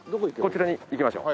こちらに行きましょう。